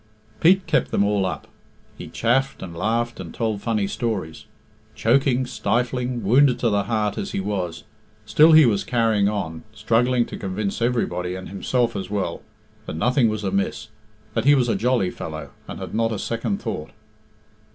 Pete kept them all up. He chaffed and laughed and told funny stories. Choking, stifling, wounded to the heart as he was, still he was carrying on, struggling to convince everybody and himself as well, that nothing was amiss, that he was a jolly fellow, and had not a second thought.